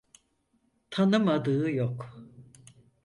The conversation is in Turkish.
Tanımadığı yok.